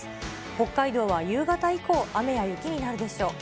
北海道は夕方以降、雨や雪になるでしょう。